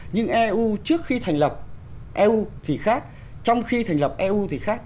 nhưng eu trước khi thành lập eu thì khác trong khi thành lập eu thì khác